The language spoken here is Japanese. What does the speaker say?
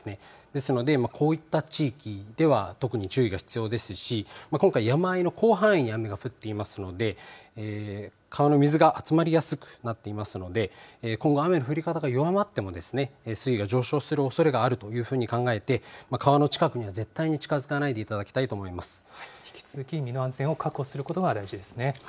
ですので、こういった地域では特に注意が必要ですし今回、山あいの広範囲に雨が降っていますので川の水が集まりやすくなっていますので今後は雨の降り方が弱まっても水位が上昇するおそれがあると考えて川の近くには絶対に近づかないでいただきたいと引き続き身の安全を確保することが大事ですね。